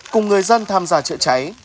cùng người dân tham gia trợ cháy